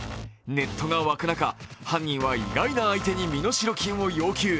ネットが湧く中、犯人は意外な相手に身代金を要求。